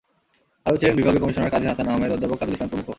আরও ছিলেন বিভাগীয় কমিশনার কাজী হাসান আহমেদ, অধ্যাপক তাজুল ইসলাম প্রমুখ।